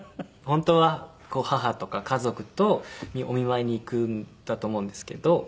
本当は母とか家族とお見舞いに行くんだと思うんですけど。